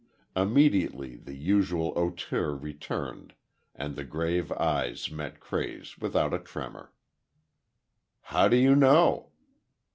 Immediately the usual hauteur returned and the grave eyes met Cray's without a tremor. "How do you know?"